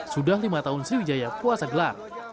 sudah lima tahun sriwijaya puasa gelar